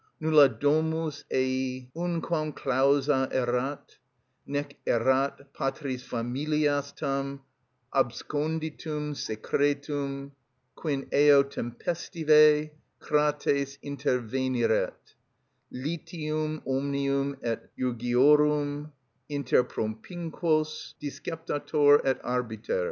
Nulla domus ei unquam clausa erat: nec erat patrisfamilias tam absconditum secretum, quin eo tempestive Crates interveniret, litium omnium et jurgiorum inter propinquos disceptator et arbiter.